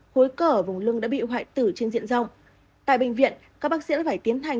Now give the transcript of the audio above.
khối cờ ở vùng lưng đã bị hoại tử trên diện rộng tại bệnh viện các bác sĩ đã phải tiến hành